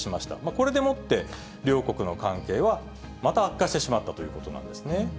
これでもって両国の関係はまた悪化してしまったということなんですね。